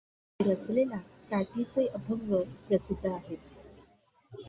त्यांनी रचलेले ताटीचे अभंग प्रसिद्ध आहेत.